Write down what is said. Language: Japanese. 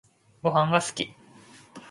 ごはんが好き